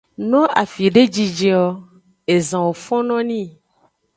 No afide jinjin o, ezan wo fonno nii.